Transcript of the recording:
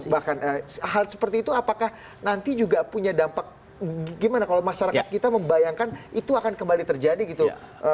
bahkan hal seperti itu apakah nanti juga punya dampak gimana kalau masyarakat kita membayangkan itu akan kembali terjadi gitu